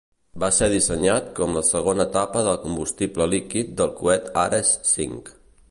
Va ser dissenyat com la segona etapa de combustible líquid del coet Ares V.